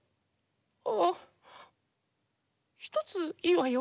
ああひとついいわよ。